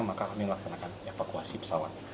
maka kami melaksanakan evakuasi pesawat